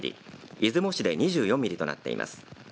出雲市で２４ミリとなっています。